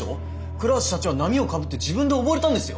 倉橋社長は波をかぶって自分で溺れたんですよ！